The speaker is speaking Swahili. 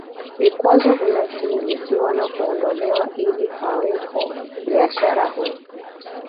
Vikwazo vinashughulikiwa na kuondolewa ili pawepo biashara huru